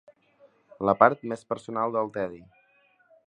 La part més personal del tedi.